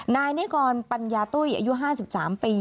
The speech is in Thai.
นายนิกรปัญญาตุ้ยอายุ๕๓ปี